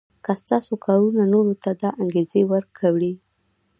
که ستاسو کارونه نورو ته دا انګېزه ورکړي.